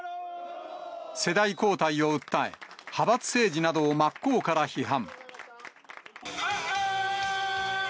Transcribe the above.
世代交代を訴え、派閥政治などを真っ向から批判。